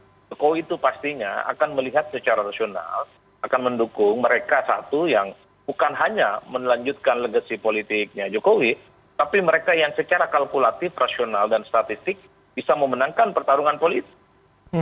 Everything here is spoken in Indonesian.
pak jokowi itu pastinya akan melihat secara rasional akan mendukung mereka satu yang bukan hanya melanjutkan legasi politiknya jokowi tapi mereka yang secara kalkulatif rasional dan statistik bisa memenangkan pertarungan politik